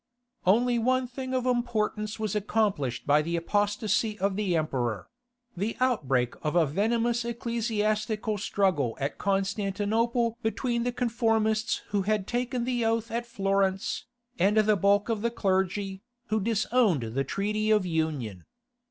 Only one thing of importance was accomplished by the apostasy of the Emperor—the outbreak of a venomous ecclesiastical struggle at Constantinople between the conformists who had taken the oath at Florence, and the bulk of the clergy, who disowned the treaty of union.